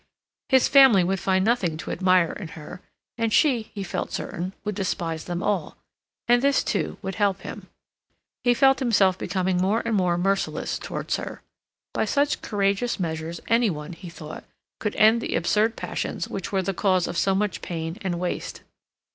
His family would find nothing to admire in her, and she, he felt certain, would despise them all, and this, too, would help him. He felt himself becoming more and more merciless towards her. By such courageous measures any one, he thought, could end the absurd passions which were the cause of so much pain and waste.